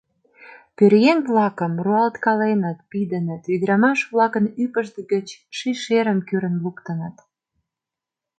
Пӧръеҥ-влакым руалткаленыт, пидыныт, ӱдырамаш-влакын ӱпышт гыч ший шерым кӱрын луктыныт.